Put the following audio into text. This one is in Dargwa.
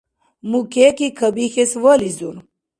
Мукеки кабихьес вализур.